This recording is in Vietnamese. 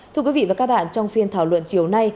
thưa quý vị và các bạn trong phiên thảo luận chiều nay